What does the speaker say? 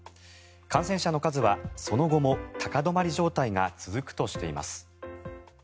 感染者の数はその後も高止まり状態が続くとしています。